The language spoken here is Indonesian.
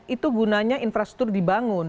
itu gunanya infrastruktur dibangun